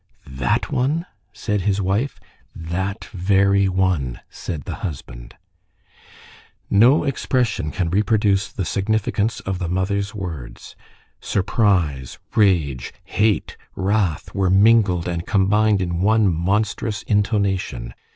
"That one?" said his wife. "That very one," said the husband. No expression can reproduce the significance of the mother's words. Surprise, rage, hate, wrath, were mingled and combined in one monstrous intonation.